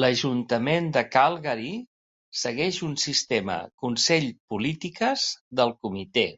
L'ajuntament de Calgary segueix un sistema consell-polítiques del comitè.